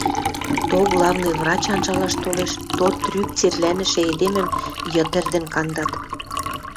То главный врач анжалаш толеш, то трӱк церлӓнӹшӹ эдемӹм йыд ӹрдӹн кандат